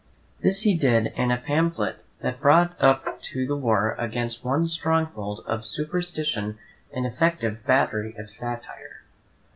This he did in a pamphlet that brought up to the war against one stronghold of superstition an effective battery of satire.